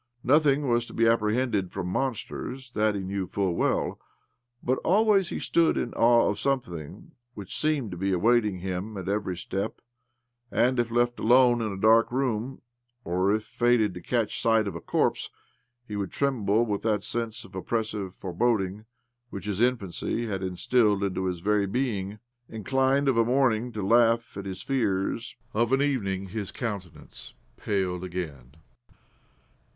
Nothing was to be apprehended from monsters — that he knew ii8 OBLOMOV full well ; but always he stood in awe of something which seemed to be awaiting him' at every step; and, if left alone in a dark room, or if fated to catch sight of a corpse, he would tremble with that sense of oppressive foreboding which his infancy had instilled into his very being. Inclined, of a morning, to laugh at his fears, of an evening his countenance paled again.